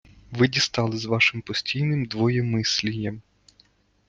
Ви дістали з вашим постійнім двоємислієм.